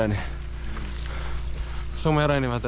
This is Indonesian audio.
saya tidak bisa menggunakan kota kota